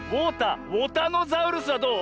ウォタノザウルスはどう？